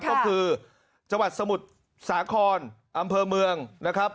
ก็คือจังหวัดสมุทรสาครอำเภอเมืองนะครับ